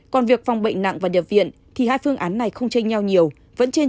còn việc phòng bệnh nặng và đẹp viện thì hai phương án này không chênh nhau nhiều vẫn trên chín mươi